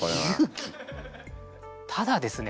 ただですね